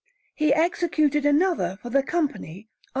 He executed another for the Company of S.